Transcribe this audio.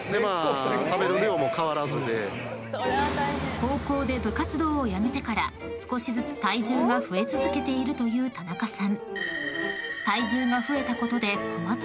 ［高校で部活動を辞めてから少しずつ体重が増え続けているというタナカさん］